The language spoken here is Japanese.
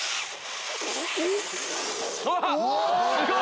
すごい！